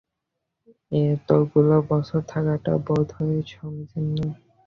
এতগুলো বছর থাকাটা বোধ হয় সমীচীন নয়।